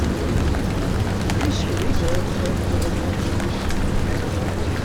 Plus que les autres, pourrait-on dire.